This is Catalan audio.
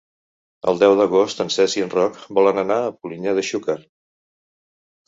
El deu d'agost en Cesc i en Roc volen anar a Polinyà de Xúquer.